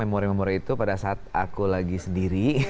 memori memori itu pada saat aku lagi sendiri